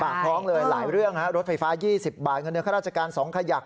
พร้อมเลยหลายเรื่องฮะรถไฟฟ้า๒๐บาทเงินเดือนข้าราชการ๒ขยัก